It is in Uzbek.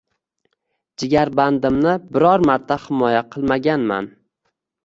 Jigarbandimni biror marta himoya qilmaganman.